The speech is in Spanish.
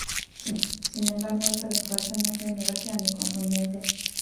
Sin embargo, esta recuperación no fue ni rápida ni contundente.